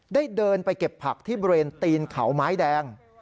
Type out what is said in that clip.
เดินไปเก็บผักที่บริเวณตีนเขาไม้แดง